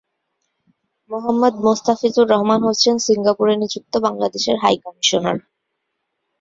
মোহাম্মদ মুস্তাফিজুর রহমান হচ্ছেন সিঙ্গাপুরে নিযুক্ত বাংলাদেশের হাই কমিশনার।